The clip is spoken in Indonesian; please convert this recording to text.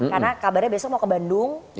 karena kabarnya besok mau ke bandung